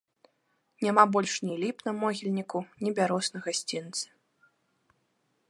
Няма больш ні ліп на могільніку, ні бяроз на гасцінцы.